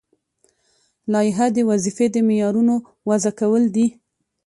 لایحه د وظیفوي معیارونو وضع کول دي.